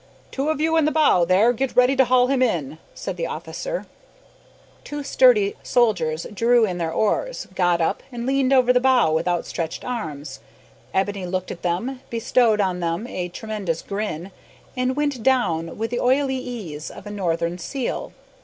"Two of you in the bow, there, get ready to haul him in," said the officer. Two sturdy sailors drew in their oars, got up, and leaned over the bow with outstretched arms. Ebony looked at them, bestowed on them a tremendous grin, and went down with the oily ease of a northern seal!